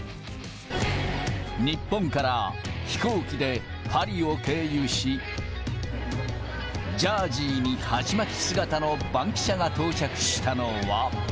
日本から飛行機でパリを経由し、ジャージーに鉢巻き姿のバンキシャが到着したのは。